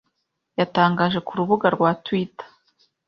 yatangaje ku rubuga rwa Twitter